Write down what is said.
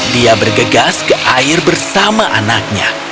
dia bergegas ke air bersama anaknya